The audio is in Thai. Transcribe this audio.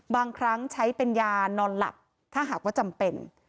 บางครั้งใช้เป็นยานอนหลับถ้าหากว่าจำเป็น